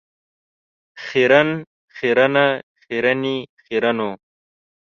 خیرن، خیرنه ،خیرنې ، خیرنو .